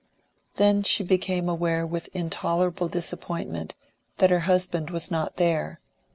Then she became aware with intolerable disappointment that her husband was not there.